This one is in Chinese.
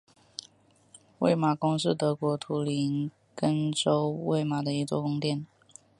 魏玛宫是德国图林根州魏玛的一座宫殿。